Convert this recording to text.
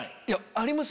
あります